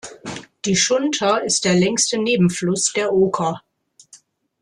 Die Schunter ist der längste Nebenfluss der Oker.